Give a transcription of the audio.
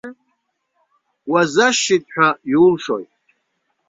Уазашшит ҳәа иулшои?